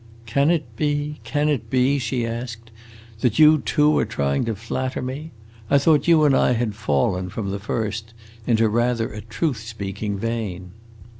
"Can it be, can it be," she asked, "that you too are trying to flatter me? I thought you and I had fallen, from the first, into rather a truth speaking vein."